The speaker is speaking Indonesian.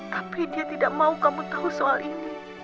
tapi dia tidak mau kamu tahu soal ini